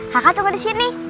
kakak tunggu disini